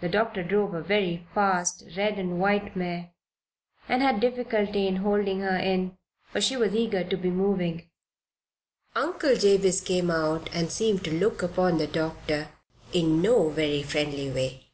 The doctor drove a very fast red and white mare and had difficulty in holding her in, for she was eager to be moving. Uncle Jabez came out and seemed to look upon the doctor in no very friendly way.